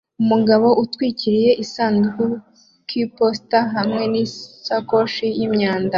Umugabo utwikiriye agasanduku k'iposita hamwe n'isakoshi y'imyanda